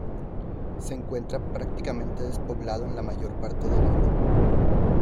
Se encuentra prácticamente despoblado en la mayor parte del año.